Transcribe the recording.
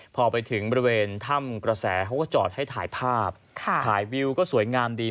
พอไปถึงบริเวณถ้ำกระแสเขาก็จอดให้ถ่ายภาพถ่ายวิวก็สวยงามดี